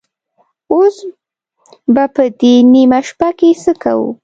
اوس به په دې نيمه شپه کې څه کوو؟